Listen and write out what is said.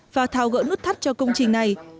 và thao gỡ nút thắt cho công trình này